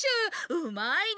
うまいね！